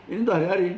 ini untuk sehari hari